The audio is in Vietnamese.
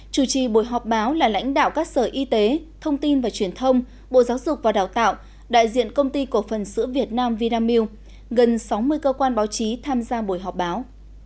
chủ trì buổi họp báo là lãnh đạo các sở y tế thông tin và truyền thông bộ giáo dục và đào tạo đại diện công ty cổ phần sữa việt nam vinamilk gần sáu mươi cơ quan báo chí tham gia buổi họp báo